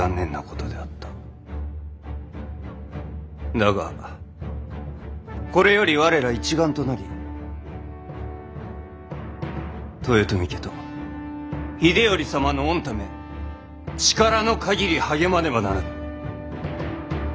だがこれより我ら一丸となり豊臣家と秀頼様の御為力の限り励まねばならぬ。